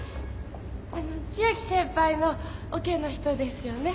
千秋先輩のオケの人ですよね？